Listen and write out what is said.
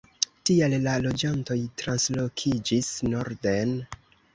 Tial la loĝantoj translokiĝis norden.